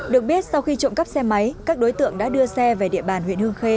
được biết sau khi trộm cắp xe máy các đối tượng đã đưa xe về địa bàn huyện hương khê